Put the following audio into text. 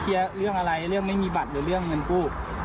เรื่องอะไรเรื่องไม่มีบัตรหรือเรื่องเงินกู้